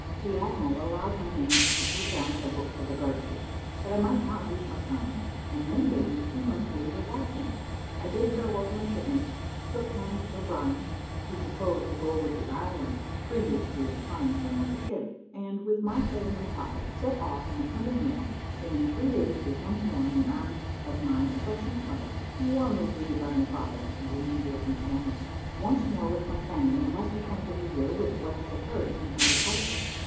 The admiral allowed my name to be put down on the books of the guard ship, that I might not lose my time, and then gave me two month's leave of absence. I bade farewell to my shipmates, shook hands with O'Brien, who proposed to go over to Ireland previous to his applying for another ship, and, with my pay in my pocket, set off in the Plymouth mail, and in three days was once more in the arms of my affectionate mother, and warmly greeted by my father, and the remainder of my family. Once more with my family, I must acquaint the reader with what had occurred since my departure.